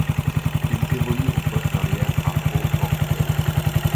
Il évolue au poste d'arrière à Pau-Orthez.